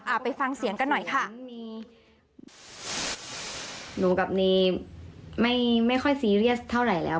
ไปฟังเสียงกันหน่อยค่ะมีหนูกับเนไม่ไม่ค่อยซีเรียสเท่าไหร่แล้ว